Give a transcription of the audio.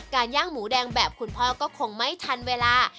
ย่างหมูแดงแบบคุณพ่อก็คงไม่ทันเวลา